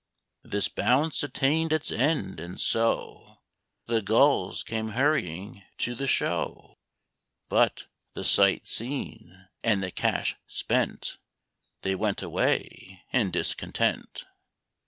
This bounce attained its end, and so The gulls came hurrying to the show; But, the sight seen, and the cash spent, They went away in discontent.